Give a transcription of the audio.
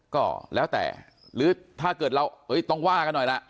ก็แล้วแต่หรือถ้าเกิดเราต้องว่ากันหน่อยล่ะ